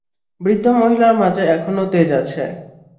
বৃদ্ধ মহিলার মাঝে এখনো তেজ আছে।